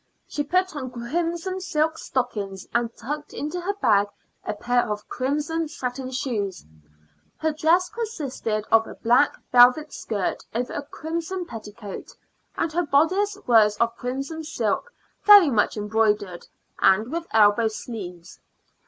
She put on crimson silk stockings, and tucked into her bag a pair of crimson satin shoes. Her dress consisted of a black velvet skirt over a crimson petticoat, and her bodice was of crimson silk very much embroidered and with elbow sleeves.